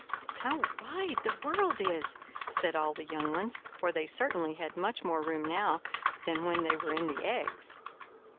"How wide the world is!" said all the young ones, for they certainly had much more room now than when they were in the eggs.